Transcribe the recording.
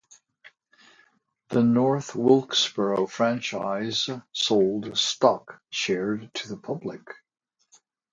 The North Wilkesboro franchise sold stock shared to the public.